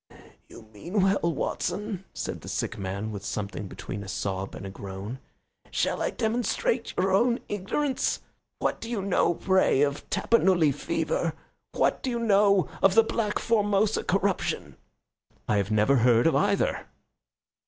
"You mean well, Watson," said the sick man with something between a sob and a groan. "Shall I demonstrate your own ignorance? What do you know, pray, of Tapanuli fever? What do you know of the black Formosa corruption?" "I have never heard of either."